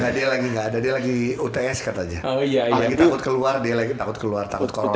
dia lagi lagi uts katanya oh ya kita keluar dia lagi takut keluar takut